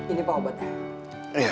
ini pak obatnya